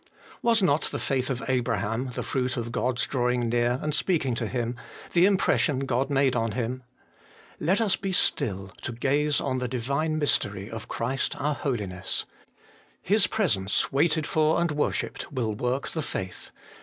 Was not the faith of Abraham the fruit of God's drawing near and speaking to him, the impression God made on him ? Let us be still to gaze on the Divine mystery of Christ our holiness : His Presence, waited for and worshipped, will work the faith.